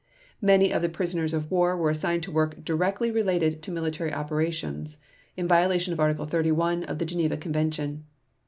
Many of the prisoners of war were assigned to work directly related to military operations, in violation of Article 31 of the Geneva Convention.